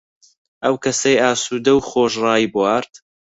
ئەو کەسەی ئاسوودەو و خۆش ڕایبوارد،